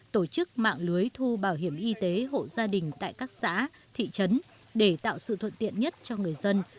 tổ chức mạng lưới thu bảo hiểm y tế hộ gia đình tại các xã thị trấn để tạo sự thuận tiện nhất cho người dân